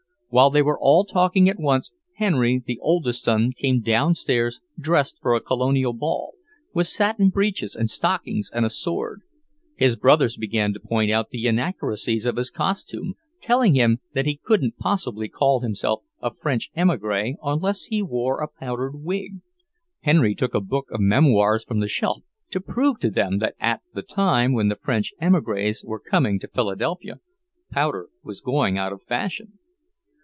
While they were all talking at once, Henry, the oldest son, came downstairs dressed for a Colonial ball, with satin breeches and stockings and a sword. His brothers began to point out the inaccuracies of his costume, telling him that he couldn't possibly call himself a French emigré unless he wore a powdered wig. Henry took a book of memoirs from the shelf to prove to them that at the time when the French emigrés were coming to Philadelphia, powder was going out of fashion.